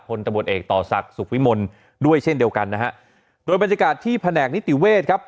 ตะบดเอกต่อศักดิ์สุขวิมลด้วยเช่นเดียวกันนะฮะโดยบรรยากาศที่แผนกนิติเวศครับ